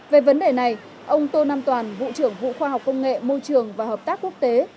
về vấn đề này ông tô nam toàn vụ trưởng vụ khoa học công nghệ môi trường và hợp tác quốc tế